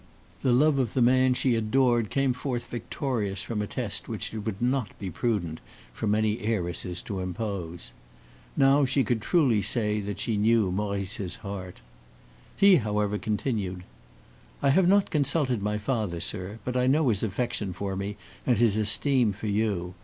The love of the man she adored came forth victorious from a test which it would not be prudent for many heiresses to impose. Now she could truly say that she knew Maurice's heart. He, however, continued: "I have not consulted my father, sir; but I know his affection for me and his esteem for you.